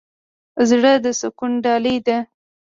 زړه د سکون ډالۍ ده.